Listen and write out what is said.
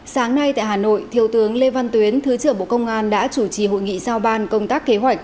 sáng nay tại hà nội thiếu tướng lê văn tuyến thứ trưởng bộ công an đã chủ trì hội nghị sao ban công tác kế hoạch